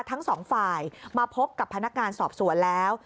ทั้งสองฝ่ายมาพบกับพนักงานสอบสวนแล้ว